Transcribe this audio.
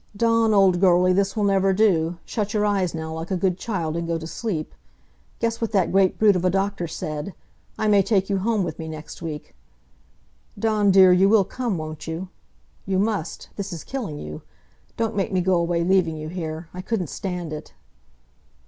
"Dawn, old girlie, this will never do. Shut your eyes now, like a good child, and go to sleep. Guess what that great brute of a doctor said! I may take you home with me next week! Dawn dear, you will come, won't you? You must! This is killing you. Don't make me go away leaving you here. I couldn't stand it."